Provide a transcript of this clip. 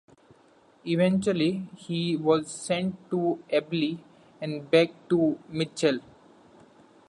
Eventually he was sent to Abeele and back to Mitchell.